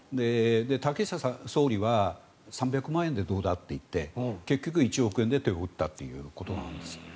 竹下総理は３００万円でどうだって言って結局１億円で手を打ったということなんです。